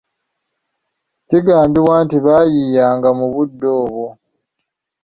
Kigambibwa nti baayiiyanga mu budde obwo.